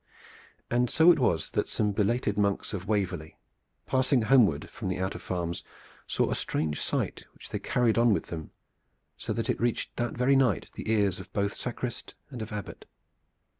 And so it was that some belated monks of Waverley passing homeward from the outer farms saw a strange sight which they carried on with them so that it reached that very night the ears both of sacrist and of Abbot.